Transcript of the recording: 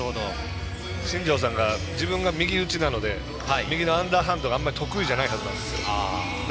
新庄さんは自分が右打ちなので右のアンダーハンドがあまり得意じゃないはずなんです。